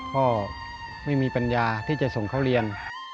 ก็ไม่มีปัญญาที่จะส่งเขาเรียน